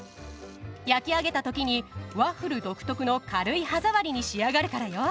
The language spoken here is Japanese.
焼き上げたときにワッフル独特の軽い歯触りに仕上がるからよ。